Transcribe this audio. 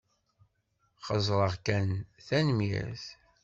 Xeẓẓreɣ kan, tanemmirt.